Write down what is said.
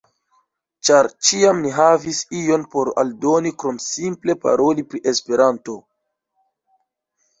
Ĉar ĉiam ni havis ion por aldoni krom simple paroli pri Esperanto.